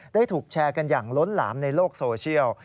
ถูกแชร์กันอย่างล้นหลามในโลกโซเชียล